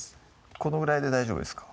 このぐらいで大丈夫ですか？